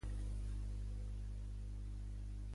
La Gemma i en Roger són més que amigues.